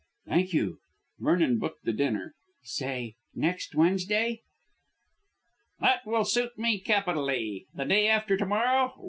"Thank you!" Vernon booked the dinner. "Say next Wednesday?" "That will suit me capitally. The day after to morrow?